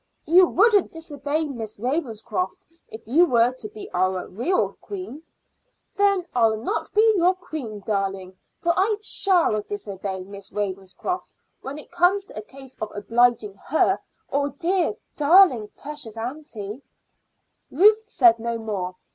"You wouldn't disobey Miss Ravenscroft if you were to be our real queen." "Then I'll not be your queen, darling, for I shall disobey Miss Ravenscroft when it comes to a case of obliging her or dear, darling, precious aunty." Ruth said no more.